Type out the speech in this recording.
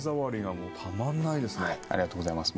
ありがとうございます。